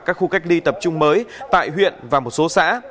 các khu cách ly tập trung mới tại huyện và một số xã